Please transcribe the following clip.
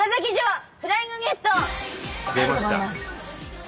出ました。